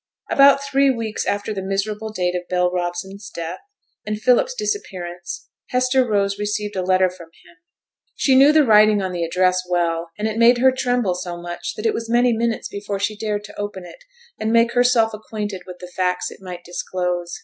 About three weeks after the miserable date of Bell Robson's death and Philip's disappearance, Hester Rose received a letter from him. She knew the writing on the address well; and it made her tremble so much that it was many minutes before she dared to open it, and make herself acquainted with the facts it might disclose.